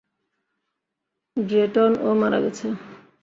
Drayton, ও মারা গেছে!